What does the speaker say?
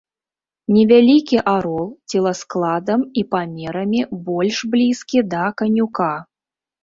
Невялікі арол, целаскладам і памерамі больш блізкі да канюка.